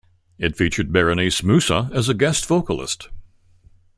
It featured Berenice Musa as a guest vocalist.